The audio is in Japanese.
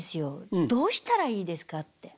どうしたらいいですかって。